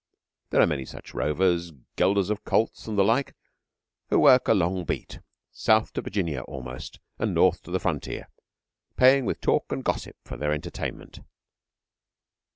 There are many such rovers, gelders of colts and the like, who work a long beat, south to Virginia almost, and north to the frontier, paying with talk and gossip for their entertainment.